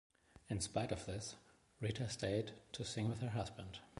In spite of this, Rita stayed to sing with her husband.